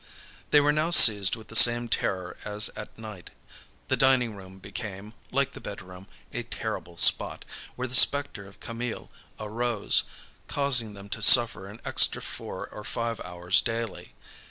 They were now seized with the same terror as at night. The dining room became, like the bedroom, a terrible spot, where the spectre of Camille arose, causing them to suffer an extra four or five hours daily.